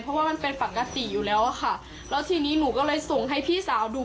เพราะว่ามันเป็นปกติอยู่แล้วอะค่ะแล้วทีนี้หนูก็เลยส่งให้พี่สาวดู